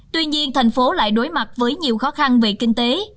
tuy nhiên thành phố lại đối mặt với nhiều khó khăn về kinh tế